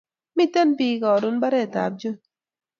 Miten bik karun mbaret ab John